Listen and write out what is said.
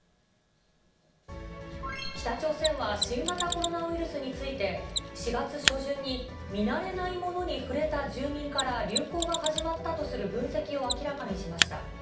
北朝鮮は新型コロナウイルスについて、４月初旬に見慣れない物に触れた住民から流行が始まったとする分析を明らかにしました。